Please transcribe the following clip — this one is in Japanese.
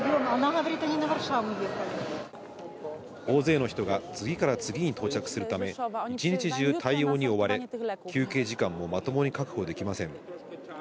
大勢の人が次から次に到着するため、一日中対応に追われ、休憩時間もまともに確保できません。